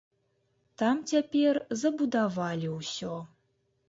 Там цяпер забудавалі ўсё.